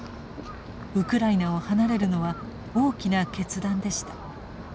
ウクライナを離れるのは大きな決断でした。